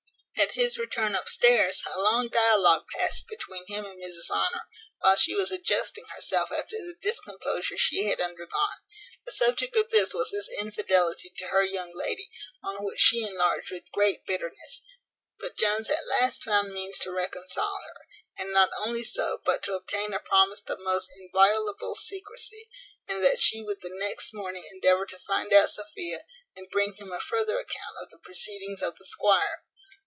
At his return upstairs, a long dialogue past between him and Mrs Honour, while she was adjusting herself after the discomposure she had undergone. The subject of this was his infidelity to her young lady; on which she enlarged with great bitterness; but Jones at last found means to reconcile her, and not only so, but to obtain a promise of most inviolable secrecy, and that she would the next morning endeavour to find out Sophia, and bring him a further account of the proceedings of the squire.